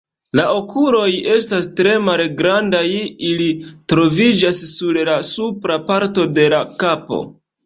La okuloj estas tre malgrandaj, ili troviĝas sur la supra parto de la kapo.